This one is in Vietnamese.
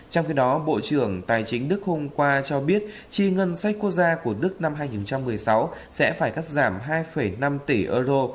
trong khi đó bộ trưởng tài chính đức hôm qua cho biết chi ngân sách quốc gia của đức năm hai nghìn một mươi sáu sẽ phải cắt giảm hai năm tỷ euro